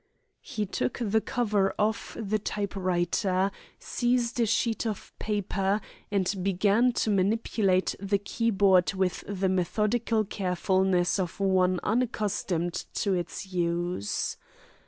He took the cover off the type writer, seized a sheet of paper, and began to manipulate the keyboard with the methodical carefulness of one unaccustomed to its use.